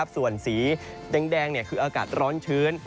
ส่วนสีแดงคืออากาศร้อนชื้น